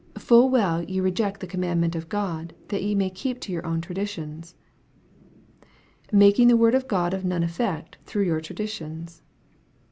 " Full well ye reject the command ment of God, that ye may keep your own traditions." " Making the Word of God of none effect through your traditions."